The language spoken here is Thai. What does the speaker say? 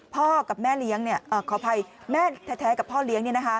พ่อกับแม่เลี้ยงขออภัยแม่แท้กับพ่อเลี้ยง